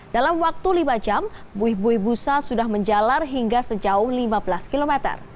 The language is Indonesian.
dalam waktu lima jam buih buih busa sudah menjalar hingga sejauh lima belas km